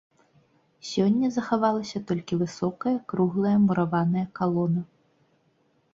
Сёння захавалася толькі высокая круглая мураваная калона.